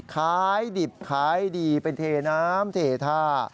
ขายดิบขายดีเป็นเทน้ำเทท่า